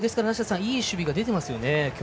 いい守備が出ていますね。